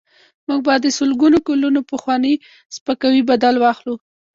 موږ به د سلګونو کلونو پخواني سپکاوي بدل واخلو.